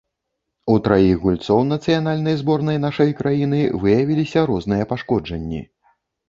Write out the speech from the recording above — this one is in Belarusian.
У траіх гульцоў нацыянальнай зборнай нашай краіны выявіліся розныя пашкоджанні.